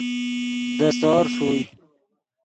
دے سور ݰوئے